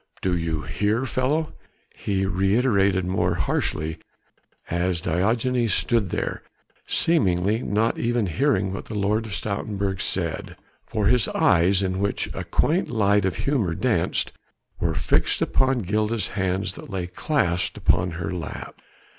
Do you hear, fellow?" he reiterated more harshly as Diogenes stood there, seemingly not even hearing what the Lord of Stoutenburg said, for his eyes in which a quaint light of humour danced were fixed upon Gilda's hands that lay clasped upon her lap.